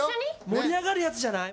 盛り上がるやつじゃない？